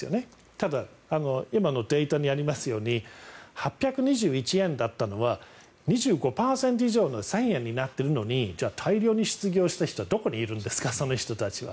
ただ今のデータにありますように８２１円だったのは２５％以上の３円になっているのに大量に失業した人はどこにいるんですかその人たちは。